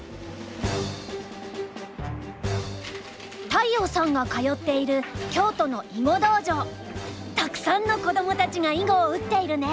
大遥さんが通っているたくさんのこどもたちが囲碁を打っているね。